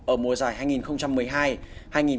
ở mùa giải hai nghìn một mươi hai hai nghìn một mươi chín